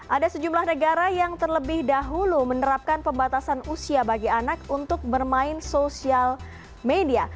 ada sejumlah negara yang terlebih dahulu menerapkan pembatasan usia bagi anak untuk bermain sosial media